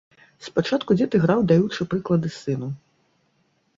Спачатку дзед іграў, даючы прыклады сыну.